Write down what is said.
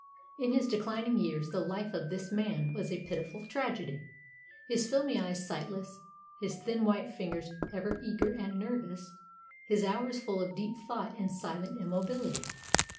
In his declining years the life of this man was a pitiful tragedy, his filmy eyes sightless, his thin white fingers ever eager and nervous, his hours full of deep thought and silent immobility.